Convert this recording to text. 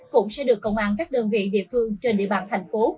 cũng sẽ được công an các đơn vị địa phương trên địa bàn thành phố